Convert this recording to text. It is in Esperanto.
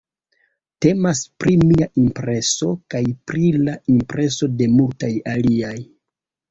Temas pri mia impreso kaj pri la impreso de multaj aliaj.